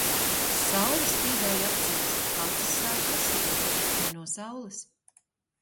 Saule spīdēja acīs. Acis sāka asarot. Ne no saules.